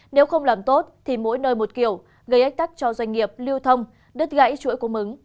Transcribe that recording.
nếu không làm tốt thì mỗi nơi một kiểu gây ách tắc cho doanh nghiệp lưu thông đứt gãy chuỗi cung ứng